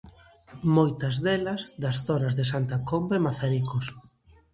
Moitas delas, das zonas de Santa Comba e Mazaricos.